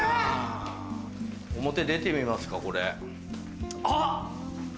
表出てみますかこれ。